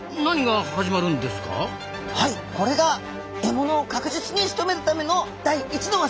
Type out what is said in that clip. はいこれが獲物を確実にしとめるための第１の技。